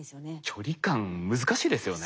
距離感難しいですよね。